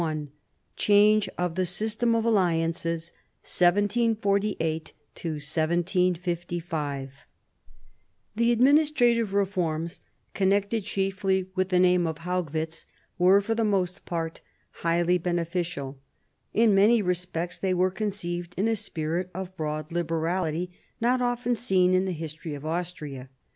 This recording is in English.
CHAPTER V CHANGE OF THE SYSTEM OF ALLIANCES 1748 1755 The administrative reforms, connected chiefly with the name of Haugwitz, were for the most part highly beneficial. In many respects they were conceived in a spirit of broad liberality not often seen in the history of Austria.